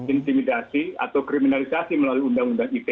intimidasi atau kriminalisasi melalui undang undang ite